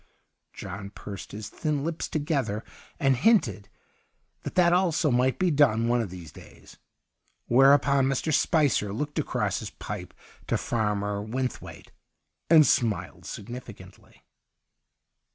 John pursed his thin lips together, and hinted that that also might be done one of these days. Whereupon Mr. Spicer looked across his pipe to Farmer Wynthwaite, and smiled significantly.